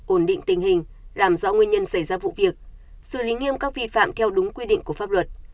ổn định tình hình làm rõ nguyên nhân xảy ra vụ việc xử lý nghiêm các vi phạm theo đúng quy định của pháp luật